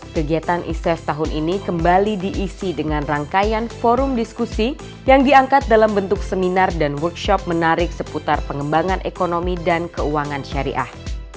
kegiatan ises tahun ini kembali diisi dengan rangkaian forum diskusi yang diangkat dalam bentuk seminar dan workshop menarik seputar pengembangan ekonomi dan keuangan syariah